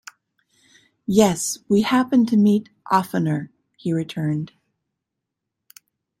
"Yes, we happened to meet oftener," he returned.